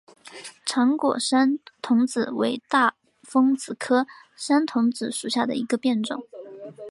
长果山桐子为大风子科山桐子属下的一个变种。